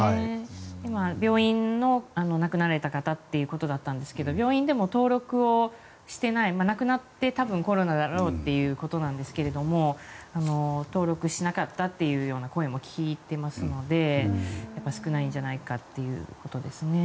今、病院で亡くなられた方ということだったんですが病院でも登録をしてない亡くなって多分コロナだろうということなんですが登録しなかったというような声も聞いていますので少ないんじゃないかということですね。